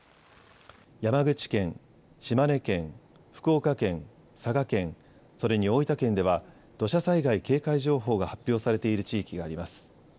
山口県、島根県、福岡県、佐賀県、それに大分県では土砂災害警戒情報が発表されている地域があります。